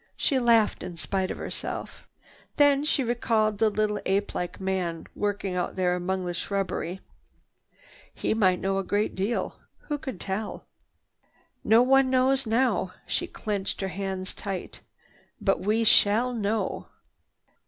She laughed in spite of herself. Then she recalled the little ape like man working out there among the shrubbery. He might know a great deal. Who could tell? "No one knows now." She clenched her hands tight. "But we shall know!"